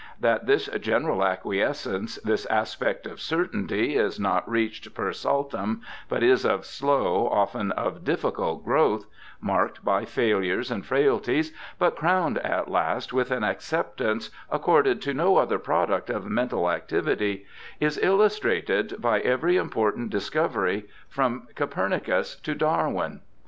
That this general acquiescence, this aspect of certainty, is not reached per saltmn, but is of slow, often of difficult, growth — marked by failures and frailties, but crowned at last with an acceptance accorded to no other product of mental activity — is illustrated by every important discovery from Copernicus to Darwin.